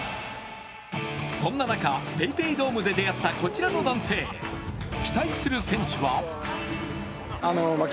そんな中、ＰａｙＰａｙドームで出会ったこちらの男性期待する選手は？